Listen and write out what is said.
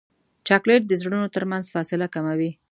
چاکلېټ د زړونو ترمنځ فاصله کموي.